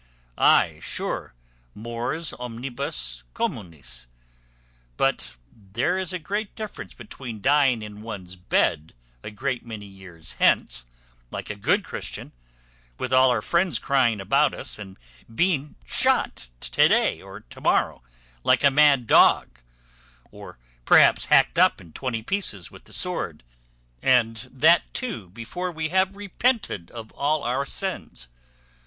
"Ay, sure, Mors omnibus communis: but there is a great difference between dying in one's bed a great many years hence, like a good Christian, with all our friends crying about us, and being shot to day or to morrow, like a mad dog; or, perhaps, hacked in twenty pieces with the sword, and that too before we have repented of all our sins.